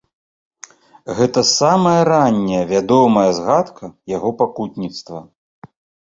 Гэта самая ранняя вядомая згадка яго пакутніцтва.